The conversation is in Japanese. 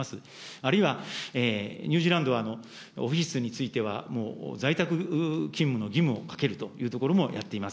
あるいは、ニュージーランドはオフィスについては在宅勤務の義務をかけるというところもやっています。